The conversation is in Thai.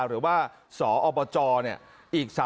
หรือว่าสอสอจเนี่ย